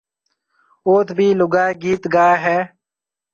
اوٿ ڀِي لوگائيَ گيت گائيَ ھيََََ